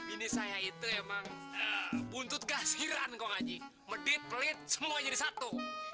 ini saya itu emang buntut gasiran kongaji medit pelit semuanya di satu